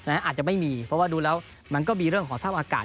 อาจจะไม่มีเพราะว่าดูแล้วมันก็มีเรื่องของสภาพอากาศ